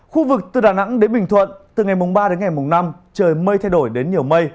khu vực từ đà nẵng đến bình thuận từ ngày mùng ba đến ngày mùng năm trời mây thay đổi đến nhiều mây